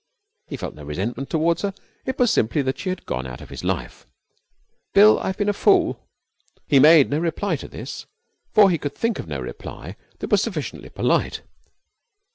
He felt no resentment toward her. It was simply that she had gone out of his life. 'Bill, I've been a fool.' He made no reply to this for he could think of no reply that was sufficiently polite.